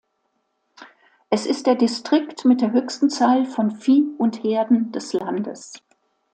Es ist der Distrikt mit der höchsten Zahl von Vieh und Herden des Landes.